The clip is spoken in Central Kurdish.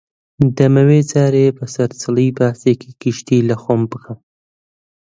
دەمەوێ جارێ بە سەرچڵی باسێکی گشتی لە خۆم بکەم